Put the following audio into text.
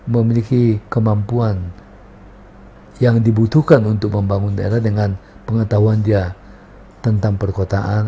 memiliki kemampuan yang dibutuhkan untuk membangun daerah dengan pengetahuan dia tentang perkotaan